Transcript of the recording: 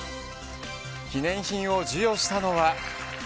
記念品を授与したのは。